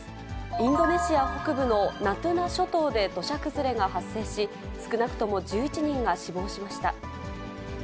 インドネシア北部のナトゥナ諸島で土砂崩れが発生し、少なくとも１１人が死亡しました。